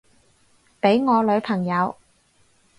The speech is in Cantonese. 畀我女朋友